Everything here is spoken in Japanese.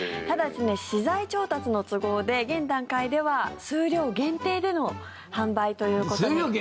ただし、資材調達の都合で現段階では数量限定での販売ということに。